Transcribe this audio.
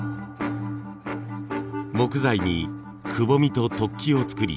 木材にくぼみと突起を作り